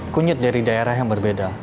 kunyit dari daerah yang berbeda